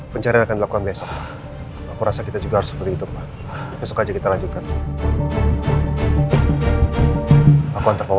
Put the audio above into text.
pencarian akan dilakukan besok aku rasa kita juga harus seperti itu pak besok aja kita lanjutkan